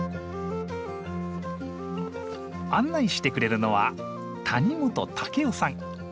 案内してくれるのは谷本夫さん。